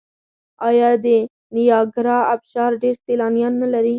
آیا د نیاګرا ابشار ډیر سیلانیان نلري؟